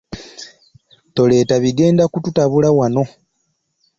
Toleeta bigenda kututabula wano.